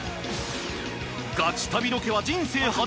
ガチ旅ロケは人生初！